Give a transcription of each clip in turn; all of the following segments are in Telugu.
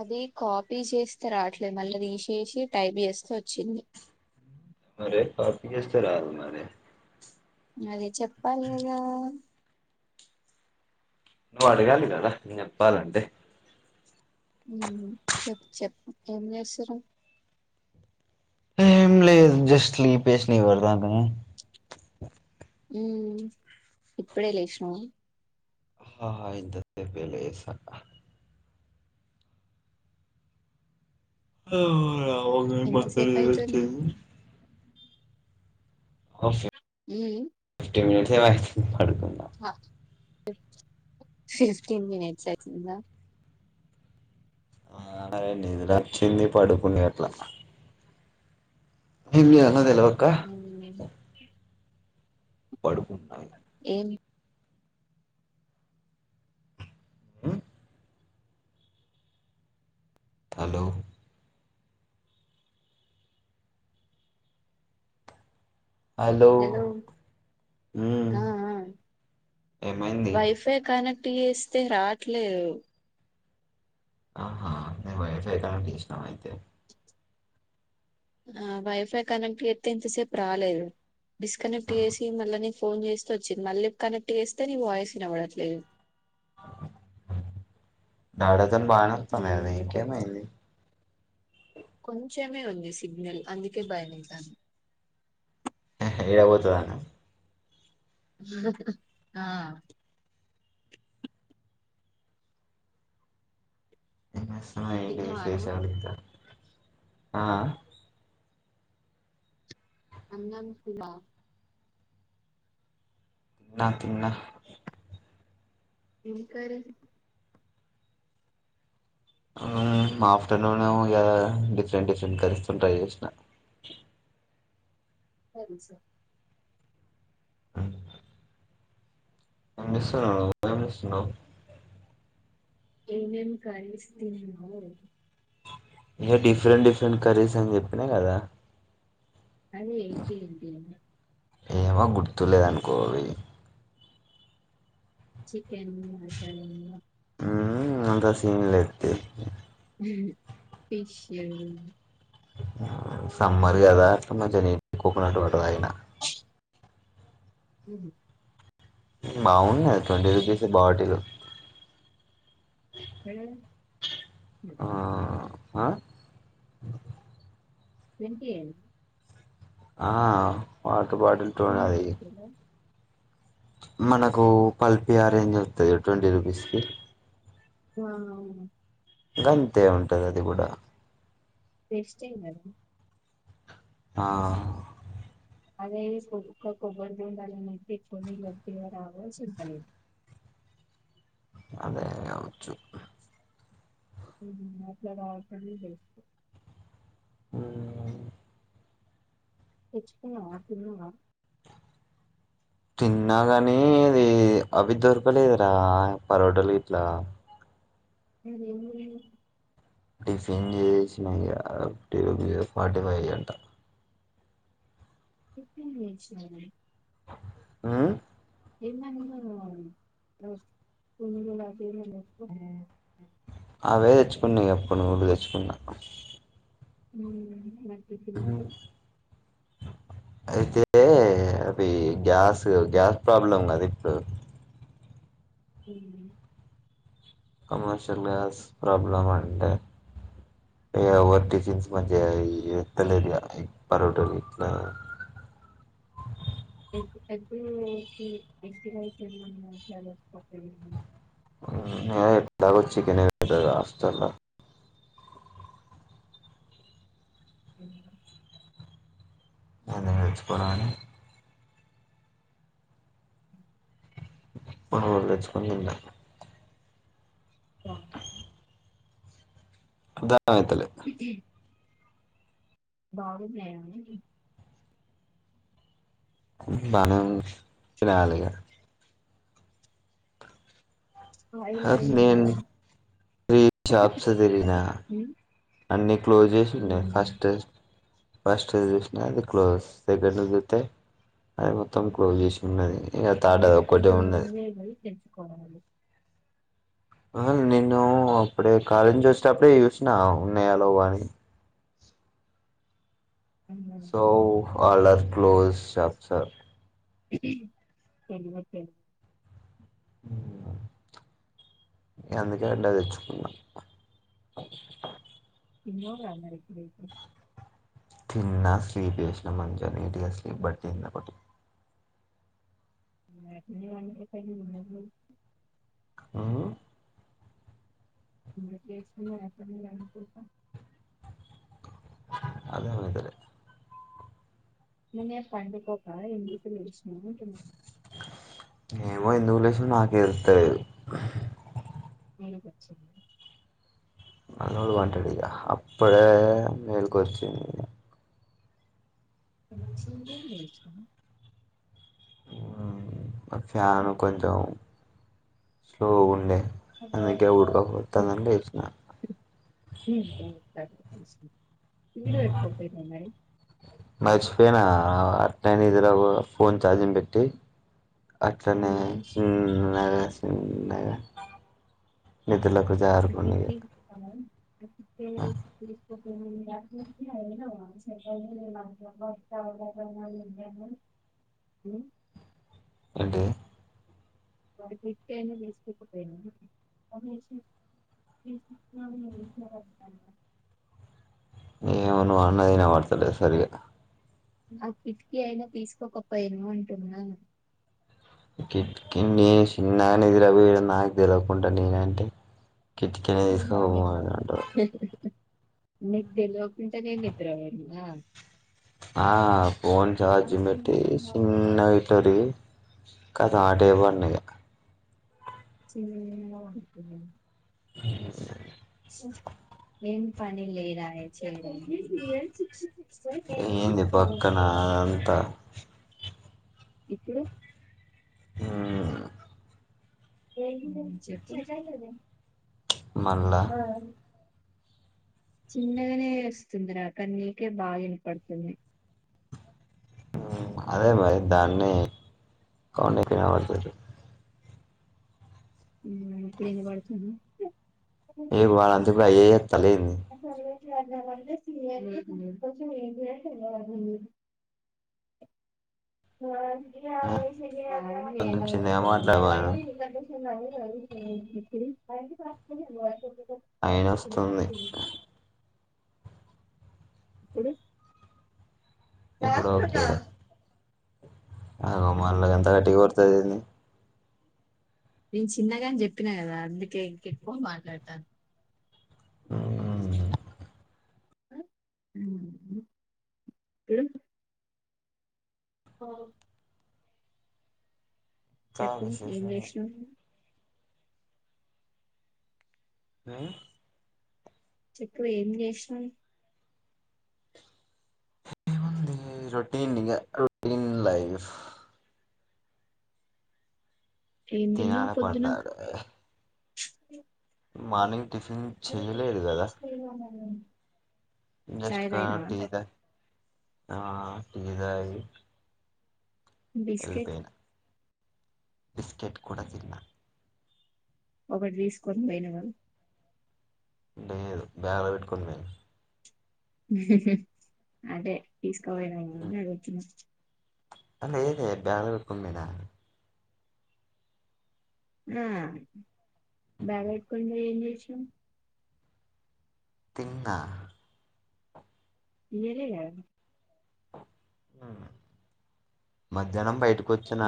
అది కాపీ చేస్తే రావట్లేదు మళ్ళీదీసేశీ టైప్ చేస్తే వచ్చింది మరే కాపీ చెస్తే రాల మరి అది చెప్పాలింగా నువ్వు అడగాలి కదా నేేను చెప్పాలంటే హుమ్ చెప్పు చెప్పు ఏం చేసుర్రు ఏం లేదు జస్ట్ స్లీప్ ఎసినా ఇప్పటిదంకనే హుమ్ ఇప్పుడే లేషినవా హా ఆయింతర్వతే పెళ్లి చేస్కంట ఓ అవును గాని మా అక్క ఎందుకు ఎంతసేపు అవుతుంది లేవట్లేదు ఔ సే హుమ్ హు యా హ ఫిఫ్టీన్ మినిట్స్ వచ్చిందా ఆడ నిదురచ్చింది పడుకున్న అట్లా హే మీ అన్న దెలువద్ మ్మ్ పడుకున్నా ఏం హలో హలో ఉమ్ ఆ ఆ ఏమైంది వైఫై కనెక్ట్ ట్ ఏస్తే రాట్లేదు ఆహా నీ వైఫై కి ఆన్ చేసినవా అయితే ఆ వైఫై కనెక్ట్ చేత్తే ఇంతసేపు రాలేదు డిస్కనెక్ట్ ఆ చేసి మళ్ళ నీ ఫోన్ చేస్తే వచ్చింది మళ్ళీ కనెక్ట్ చేస్తే నీ వాయిస్ వినబడట్లేదు. దావత్ బానే వత్తంది నేను గదే ఇంకేమైంది కొంచమే ఉంది సిగ్నల్ అందుకే భయమైతంది. ఎహే ఎడ పోతాదో అనా ఆ నిన్న స్లయిడ్ తిన్నవా అన్నం ఏసేశాడు ఇంత ఆ అన్నం ఫుల్లా తిన్నా తిన్నా ఏం కర్రీ ఆ మా ఆఫ్టర్నోన్ ఏమో డిఫ్రెంట్ డిఫ్రెంట్ కరీస్ తింటాయి [inaudible] కర్రీసా హ్ పంపిస్తున్నావా పంపిస్తున్న ఏమేం కర్రీస్ తిన్నవ్ ఇంక డిఫ్రెంట్ డిఫ్రెంట్ కర్రీస్ అని చెప్పినా కదా అదే ఏంటి ఏంటియీ ఏమో గుర్తులేదనుకో అవి చికెన్, మటన్ మ్ అంత సీన్ లేద్ తి హు పీచ్ లేదు సమ్మర్ కదా మంచిగా నీట్ కోకనట్ వాటర్ తాగిన హ్ హ్ మ్ బావుండ్ ట్వంటి రుపీసే బటీలు ఆ [inaudible] ఆ ట్వంటీ యేనా ఆ ఆ.. పా కు బాటిల్ టు అది మనకూ పల్పి ఆరేంజ్ వస్తది ట్వంటి రూపీస్కి, మనం గంతె ఉంటది, అది గుడా వేస్ట్ చెయ్యం గద ఆ మ్ అదై సుక్కకు, గొంతు నిండ ముద్దిచ్కొని, నీళ్లు వొగ్గెయ్ రావోయ్ సుక్కలి అదే అవ్వచ్చు. హు హుం నువ్ మాట్లడె అవసరం వేస్టు హుం ఆ తెచ్చుకున్నవ, తిన్నవ, తిన్న గానీ, అది అవి దొరకలేదురా పరోటలు యిట్ల! అది యేఊరు టిఫిన్ జేస్ నయ, టేబులియ్ ఫార్టీ ఫైవ్ అంట. టిఫిన్ జేస్ నయనా వూమ్ యేమన్స రోస్ట్ కూరలు జెయమని చెప్పు మె అవె తెచ్చుకున్నె గా యిప్పుడు, నువ్ తెచ్చుకున్న హుమ్ బాయ్ యిప్పుడేంటై. అయితే, అది గ్యాసు గ్యాస్ ప్రాబ్లం కద యిప్ డు. హుమ్ మ్ హు కమర్షియల్ గ్యాస్ ప్రాబ్లమ్ అంటె, యమజర్సి నీస్ పని జెయల్ యీరొ తెల్లేదెయ యిప్పరటి వరకు యింక. Egg, egg- steam egg rice తినమను, మసాలయేసుకోకుండ, ఆహ్ యీడ తాగొచ్చు గని యేదొ కదా దాస్తున హుమ్ -ఆహ ఆయన మెచ్ కోవాలి అని, మనం తెచ్చుకున్నంద. ఆ అగ్ దా అంతెలె హ బాగున్నాయాహ్ బానె ఉంది తినాలిగ ఆయిల్ సార్ ఆయిల్ నేన్ ఉన్నాయి త్రీ షాప్స్ తిరిగిన, అన్ని క్లోజ్ జేస్ ఉండె హాస్టల్స్ ఫస్ట్ ది జూసిన అది క్లోజ్. సెకండ్ ది జూతె అది మొత్తం క్లోజ్ జేస్ ఉన్నది. ఇగ థర్డ్ అది అందుకె ఒక్కటే కొంచెం ఉన్నది ముందె బొయ్ తెచ్ [inaudible] అహ నిన్ను అప్పుడె కాలేజెస్ నుంచెటపడే జూస్ నవ్, ఉన్నయ లేవ అని సో ఆ లెఫ్ట్ లో చేస్తార్ హు హుమ్మ్ [inaudible] హుమ్మ్ అందుకె అట్ల తెచ్చుకున్న యిన్యోర లైప్ [inaudible] తిన్న, స్లీప్ జేసిన మంతె, నీట్ గా స్లీప్ బట్టి తిన్న బటి నువ్ యెటుండె వాడివి స్టైలు నువ్వు ఆ [unintelligible] అదే [unintelligible] తినేస్ పండుకొక ఎందుకు ముగించాండి ఏమో ఎందుకులేసిందొ నాకే తెళ్తాది ప్రీ గా వచ్చింది అన్నోడు వాంటెడ్గా అప్పుడే మెల్కొవచ్చింది కోచింగ్ మీ ఇష్టము అ ఫ్యాను కొంచెం స్లో గా ఉండె అందుకే ఉడక పోత్తాందని తెచ్చిన [unintelligible] ఇడు పెట్టుకొకపొయినవా మరి మర్చిపోయినా అట్నే నీదిరా ఫోన్ ఛార్జింగ్ పెట్టి అట్లానే ఉమ్, మ్మ్ నాదస్ ఉన్నాయా [unintelligible] తెల్లపు జారుకుండే ఇగ [inaudible] ఊ అంటే ఒక కిట్టైన తిస్కుకొకపొయినవా [unintelligible] ఏమె నువ్వు అనంటున్నాది వినబడ్తలేదు సరిగా ఆ కిటికీ అయినా తీసుకోకపోయేను అంటున్నాను కిట్కీనే సిన్నానే ఎదిరబోయ నాకు తెలివకుండా నేనంటే కెట్కినే తీసుకొనిపోవాలని అంటావు నిద్ర లెకుంటే నిను నిద్ర పొయింటిన ఆహ ఫోన్ చార్జింగ్ పెట్టి సిన్నగా ఇట్ల తిరిగి కథా అటు వెళ్ళండియిగా చిన్నీ వాంటు జిమ్ [unintelligible] ఏం పని లేరాయచేయడం ఏంది పక్కన అదంతా ఇప్పుడు ఊ ఏంటి [unintelligible] మళ్ళా చిన్నగనే వస్తుంది రాక నీకే బాగ యిన్పడుతుంది అదే మరి దాన్ని కొన్ని కినబడుతరు ఇప్పుడు వినపడుతుందా ఏది వాడంతు రాయె తలీమ్ [unintelligible] ఆ కొంచెం చిన్నగా మాట్లాడమను య ఏదో [unintelligible] ఆయన వస్తుంది ఇప్పుడు ఇప్పుడు డాక్టర్ కా ఆమలా ఎంత గట్టిగా పడతదెంది నేను చిన్నగా అని చెప్పినా కదా అందుకే ఇంకెక్కువ మాట్లాడతాను ఉమ్ ఆ ఉ ఉమ్ ఓ చెప్పు ఏం విశేషాలు జేస్నావ్ హ్మ్ చెప్పు ఏం జేసినవ్ ఎముంది రొటీన్ ఇగ రొటీన్ లైఫ్ ఏం తిన్నవ్ తినాలే పొద్దున పండాలే మార్నింగ్ టిఫిన్ చెయ్యలేదు కదా జెస్ట్ చాయ్ కా తాగినవా టీ దే ఆ టీదాగి బిస్కెట్ బిస్కెట్ కూడా తిన్నా ఒకటి తీసుకొని బోయినవా లేదు బ్యాగ్లో పెట్టుకుని పోయినా అదే తీసకపోయినవేమో అని అడుగుతున్నా అ లేదే బ్యాగ్లో పెట్టుకుని పోయినా మ్మ్ బ్యాగ్లో వెట్టుకపోయ్ ఏం జేస్నవ్ తిన్నా ఈయలేకడ్ మధ్యాహ్నం బయటి ఓచ్చిన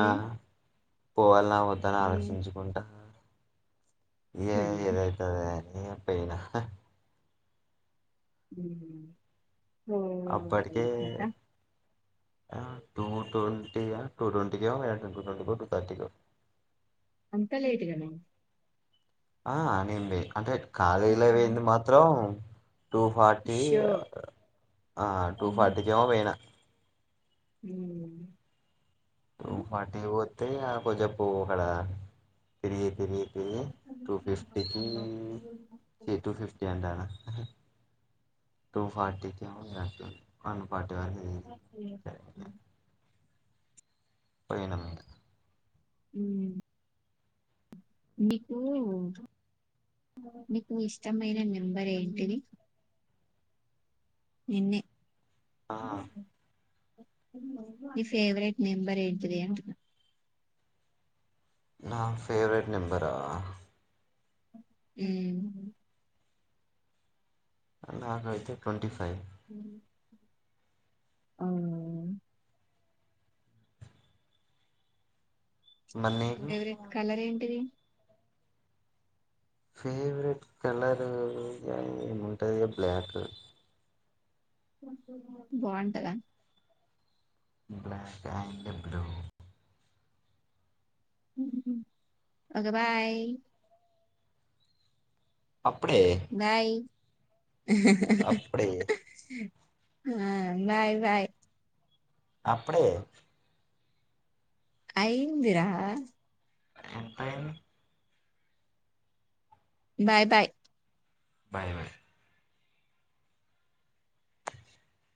పోవాల నా వద్దని ఉమ్ ఆలోచించుకుంటా ఏ పోయినవా ఏదైతే అది అయింది న అప్పయినా ఉమ్ ఓ అప్పటికే కదా టు ట్వంటీ య టు ట్వంటీ కో టు థర్టీ కో అంతా లేట్ గాన ఆ అనింది అంటే కాలిలో వెేంది మాత్రం టూ ఫార్టీ షో ఆ టూ ఉమ్ ఫార్టీ కి ఏమో పోయినా ఉ టు ఫార్టీ కి ఏమో పోతే తెయపు చెప్పు ఒక్కడ ఇది తిరిగి తిరిగి టు ఫిఫ్టీ కి చి టు ఫిఫ్టీ అంటానా టూ ఫార్టీ కి ఏమో సరే పోయినం ఇగ ఉ మీకు నీకు ఇష్టమైన నెంబర్ ఏంటిది నిన్నే ఆ మీ ఫేవరెట్ నెంబర్ ఏంటిది అంటున్నా నా ఫేవరెట్ నెంబరా ఊ నా టు ట్వంటీ ఫైవ్ అ మరి నీకు ఫేవరెట్ కలర్ ఏంటి త్రి ఫేవరెట్ కలరు ఏముంటది ఇగ బ్లాక్ బాగుంటదా black and blue okay bye అప్పుడే బాయ్ అప్పుడే ఆ బాయ్ బాయ్ అప్పుడే ఐందిరా ఎంతయిం బాయ్ బాయ్ బాయ్ బాయ్ [inaudible]